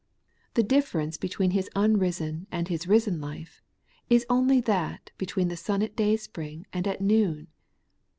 The difference between His unrisen and His risen life is only that between the sun at dayspring and at noon.